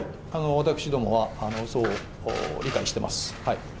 私どもはそう理解しています。